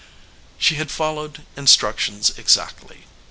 She had followed instructions exactly.